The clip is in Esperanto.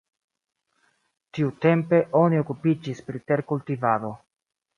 Tiutempe oni okupiĝis pri terkultivado.